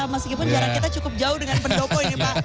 meskipun jarak kita cukup jauh dengan pendopo ini pak